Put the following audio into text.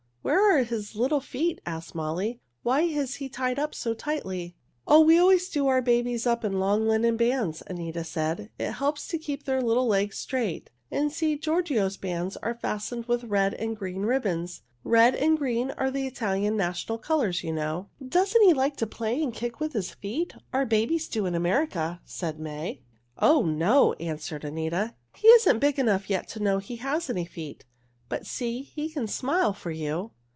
"Where are his little feet?" asked Molly. "Why is he tied up so tightly?" "Oh, we always do our babies up in long linen bands," Anita said. "It helps to keep their little legs straight. And see, Giorgio's bands are fastened with red and green ribbons. Red and green are the Italian national colors, you know." "Doesn't he like to play and to kick with his feet? Our babies do in America," said May. "Oh, no!" answered Anita. "He isn't big enough yet to know that he has any feet. But see, he can smile for you."